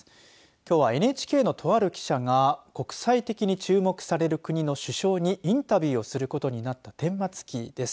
きょうはＮＨＫのとある記者が国際的に注目される国の首相にインタビューをすることになったてんまつ記です。